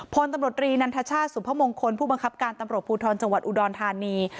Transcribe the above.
พลตำรวจรีนันทชาติสุพมงคลผู้บังคับการตำรวจภูทรจังหวัดอุดรธานี